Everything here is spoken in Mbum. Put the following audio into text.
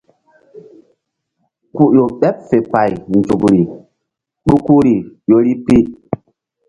Ku ƴo ɓeɓ fe pay nzukri ɗukuri ƴori pi.